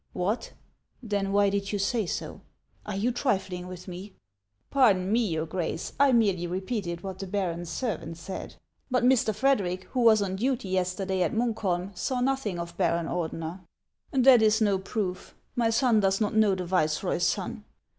" What ! Then why did you say so ? Are you trifling with me ?"" Pardon me, your Grace ! I merely repeated what the baron's servant said. But Mr. Frederic, who was on duty yesterday at Munkholm, saw nothing of Baron Ordener." •' That 's no proof ! My son does not know the vice roy's son.